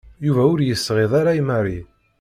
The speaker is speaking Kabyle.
Yuba ur yesɣid ara i Mary.